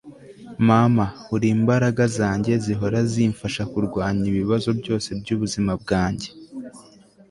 mama, uri imbaraga zanjye zihora zimfasha kurwanya ibibazo byose byubuzima bwanjye